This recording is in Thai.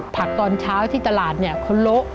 ตอนเช้าที่ตลาดเนี่ยเขาโละ